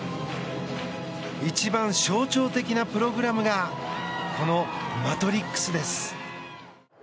一番象徴的なプログラムがこの「マトリックス」です。